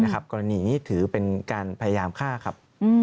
กรณีนี้ถือเป็นการพยายามฆ่าครับ